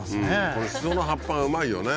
これシソの葉っぱがうまいよね